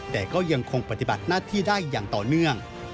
แต่ก็ยังคงปฏิบัติหน้าที่ได้อย่างต่อเนื่อง